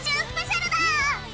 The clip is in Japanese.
スペシャルだ！